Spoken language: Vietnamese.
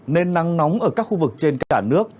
nên nắng nóng ở các khu vực trên cả nước